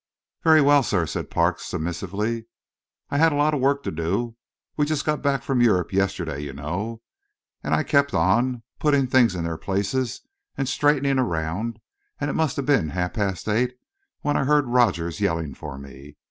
"Very well, sir," said Parks, submissively. "I had a lot of work to do we just got back from Europe yesterday, you know and I kept on, putting things in their places and straightening around, and it must have been half past eight when I heard Rogers yelling for me.